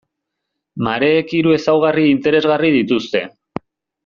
Mareek hiru ezaugarri interesgarri dituzte.